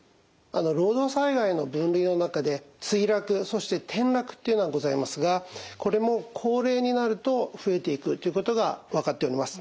労働災害の分類の中で墜落そして転落というのがございますがこれも高齢になると増えていくということが分かっております。